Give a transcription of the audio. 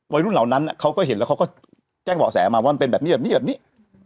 เหล่านั้นเขาก็เห็นแล้วเขาก็แจ้งเบาะแสมาว่ามันเป็นแบบนี้แบบนี้แบบนี้